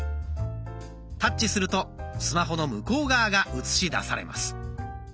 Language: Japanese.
タッチするとスマホの向こう側が映し出されます。